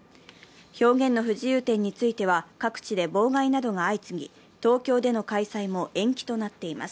表現の不自由展については各地で妨害などが相次ぎ、東京での開催も延期となっています。